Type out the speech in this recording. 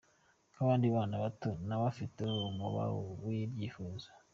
Nk’abandi bana bato, nawe afite umuba w’ibyifuzo.